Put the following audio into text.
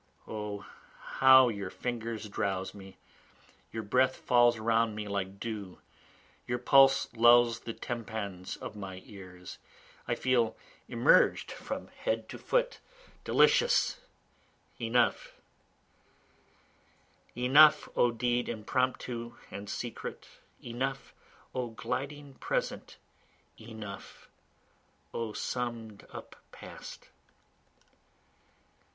O how your fingers drowse me, Your breath falls around me like dew, your pulse lulls the tympans of my ears, I feel immerged from head to foot, Delicious, enough. Enough O deed impromptu and secret, Enough O gliding present enough O summ'd up past.